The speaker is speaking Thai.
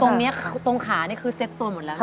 ตรงเนี่ยตรงขาเนี่ยคือเซ็ตตัวหมดแล้วค่ะ